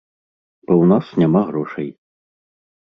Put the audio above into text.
Бо ў нас няма грошай.